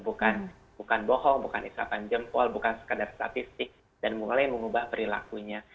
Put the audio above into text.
bukan bohong bukan isapan jempol bukan sekadar statistik dan mulai mengubah perilakunya